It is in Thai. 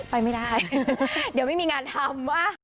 ไปไม่ได้เดี๋ยวไม่มีงานทำ